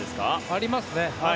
ありますね。